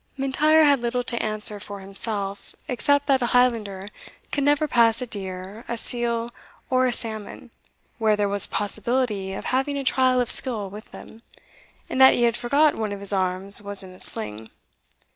M'Intyre had little to answer for himself, except that a Highlander could never pass a deer, a seal, or a salmon, where there was a possibility of having a trial of skill with them, and that he had forgot one of his arms was in a sling.